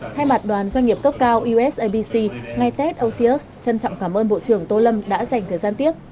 thay mặt đoàn doanh nghiệp cấp cao usabc ngày tết oxyos trân trọng cảm ơn bộ trưởng tô lâm đã dành thời gian tiếp